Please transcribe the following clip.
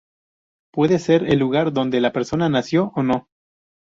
Puede ser el lugar donde la persona nació, o no.